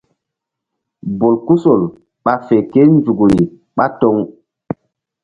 Bolkusol ɓa fe kénzukri ɓá toŋ.